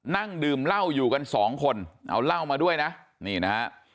นั่งดื่มเหล้าอยู่กันสองคนเอาเหล้ามาด้วยนะนี่นะฮะ